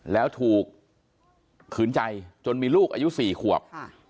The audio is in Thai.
แล้วถูกขืนใจจนมีลูกอายุ๔ขวบ